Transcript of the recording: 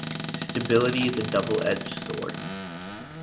Stability is a double-edged sword.